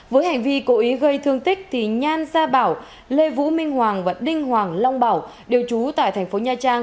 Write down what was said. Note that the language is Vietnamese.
với hành vi cố ý gây thương tích thì nhan gia bảo lê vũ minh hoàng và đinh hoàng long bảo đều trú tại tp nha trang